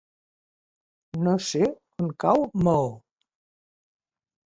No sé on cau Maó.